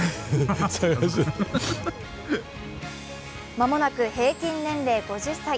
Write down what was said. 間もなく平均年齢５０歳。